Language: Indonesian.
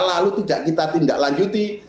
lalu tidak kita tindak lanjuti